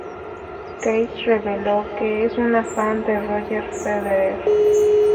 Keys reveló que es una fan de Roger Federer.